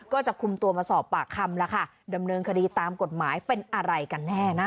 ก็จะคุมตัวมาสอบปากคำแล้วค่ะดำเนินคดีตามกฎหมายเป็นอะไรกันแน่นะ